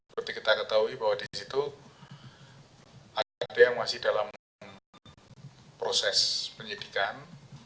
seperti kita ketahui bahwa di situ ada yang masih dalam proses penyidikan